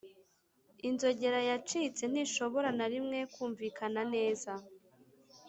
inzogera yacitse ntishobora na rimwe kumvikana neza.